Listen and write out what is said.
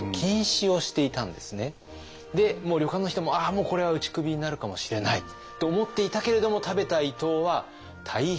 でもう旅館の人も「ああもうこれは打ち首になるかもしれない！」と思っていたけれども食べた伊藤は大変喜んで。